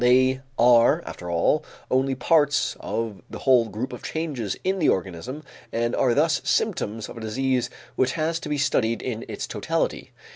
They are after all only parts of the whole group of changes in the organism and are thus symptoms of a disease which has to be studied in its totality.